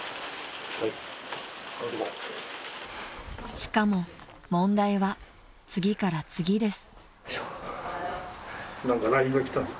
［しかも問題は次から次です］